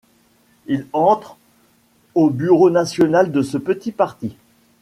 Il entre au bureau national de ce petit parti.